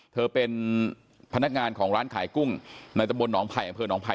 เธอเป็นพนักงานของร้านขายกุ้งในตะบลหนองไผ่อำเภอหนองไผ